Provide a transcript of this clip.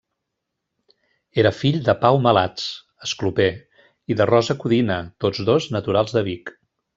Era fill de Pau Malats, escloper, i de Rosa Codina, tots dos naturals de Vic.